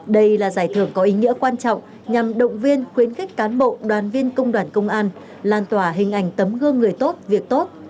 đây là giải thưởng có ý nghĩa quan trọng nhằm động viên khuyến khích cán bộ đoàn viên công đoàn công an lan tỏa hình ảnh tấm gương người tốt việc tốt